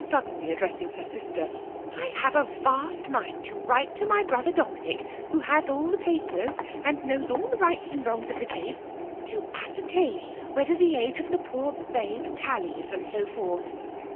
156 denly addressing her sister, I have avast mind to write to my brother Domiiuck» who has all the papers, and knows all the rights and wrongs of the case^ to ascertain whether the age of the poor babe tallies, and so forth.